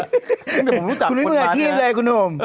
ตั้งแต่ผมรู้จักคุณมันคุณนี่มันอาชีพเลยคุณหนุ่ม